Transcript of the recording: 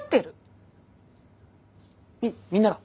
みっみんなが。